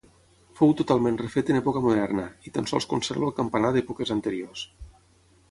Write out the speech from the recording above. Fou totalment refet en època moderna, i tan sols conserva el campanar d'èpoques anteriors.